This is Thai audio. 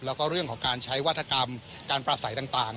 แล้วก็เรื่องของการใช้วัฒกรรมการประสัยต่าง